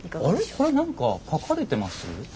これ何か描かれてます？